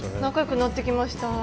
仲よくなってきました。